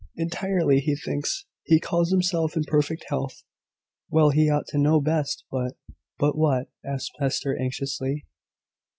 "Entirely, he thinks. He calls himself in perfect health." "Well, he ought to know best; but " "But what?" asked Hester, anxiously.